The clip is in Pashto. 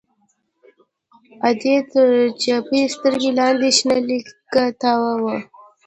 د ادې تر چپې سترگې لاندې شنه ليکه تاوه وه.